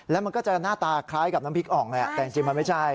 แล้วมันก็จะหน้าตาคล้ายกับน้ำพริกอ่องแหละแต่จริงมันไม่ใช่